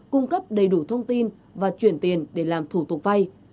cung cấp đầy đủ thông tin và chuyển tiền để làm thủ tục vay